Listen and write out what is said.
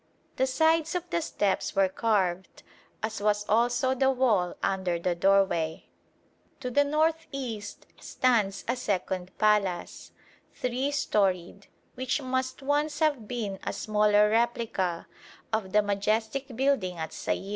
The sides of the steps were carved, as was also the wall under the doorway. To the north east stands a second palace, three storeyed, which must once have been a smaller replica of the majestic building at Sayil.